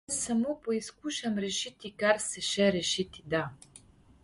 Jaz samo poizkušam rešiti kar se še rešiti da.